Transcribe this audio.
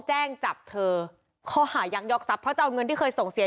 แจ้งจับเธอข้อหายักยอกทรัพย์เพราะจะเอาเงินที่เคยส่งเสีย